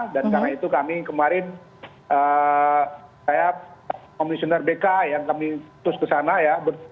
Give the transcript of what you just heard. dan karena itu kami kemarin saya komisioner bk yang kami tus ke sana ya